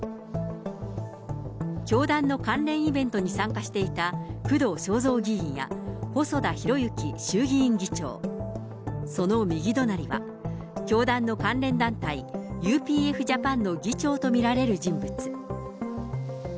教団の関連イベントに参加していた工藤彰三議員や、細田博之衆議院議長、その右隣は、教団の関連団体、ＵＰＦジャパンの議長と見られる人物。